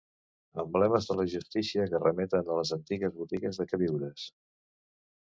Emblemes de la justícia que remeten a les antigues botigues de queviures.